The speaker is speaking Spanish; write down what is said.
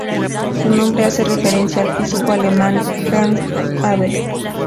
Su nombre hace referencia al físico alemán Ernst Abbe.